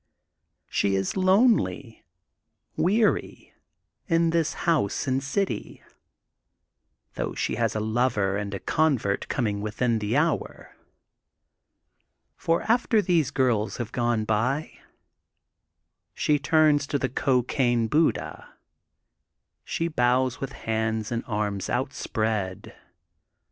^' She is lonely, weary, in this house and city, though she has a lover and a convert coming within the hour. For, after these girls have gone by, she 260 THE GOLDEN BOOK OF SPRINGFIELD turns to the Cocaine Buddha. She bows with hands and arms outspread.